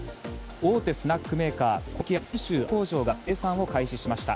大手スナックメーカー湖池屋の九州阿蘇工場が生産を開始しました。